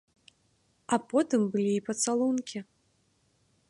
А потым былі і пацалункі.